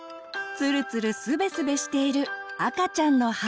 ツルツルスベスベしている赤ちゃんの肌。